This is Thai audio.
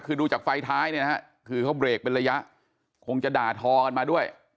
คือดูจากไฟ้ท้ายในอ่ะกูเข้าเวลาเป็นระยะคงจะด่าธอกันมาด้วย